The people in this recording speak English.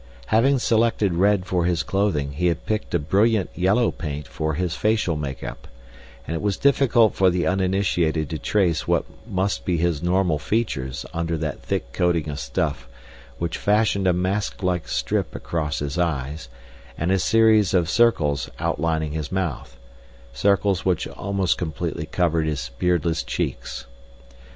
Having selected red for his clothing, he had picked a brilliant yellow paint for his facial makeup, and it was difficult for the uninitiated to trace what must be his normal features under that thick coating of stuff which fashioned a masklike strip across his eyes and a series of circles outlining his mouth, circles which almost completely covered his beardless cheeks.